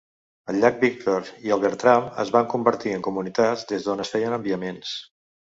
El llac Víctor i el Bertram es van convertir en comunitats des d'on es feien enviaments.